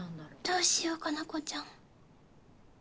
どうしよう加奈子ちゃん